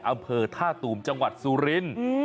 อำเภอท่าตูมจังหวัดสุรินทร์